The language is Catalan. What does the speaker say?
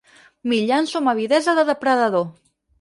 M'hi llanço amb avidesa de depredador.